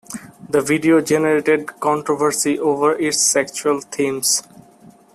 The video generated controversy over its sexual themes.